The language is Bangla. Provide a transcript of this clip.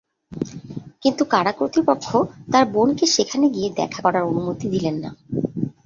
কিন্তু কারা কর্তৃপক্ষ তাঁর বোনকে সেখানে গিয়ে দেখা করার অনুমতি দিলেন না।